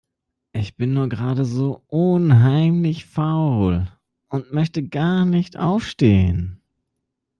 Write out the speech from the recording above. Ich bin nur gerade so unheimlich faul. Und möchte gar nicht aufstehen.